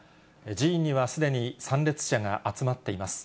寺院にはすでに、参列者が集まっています。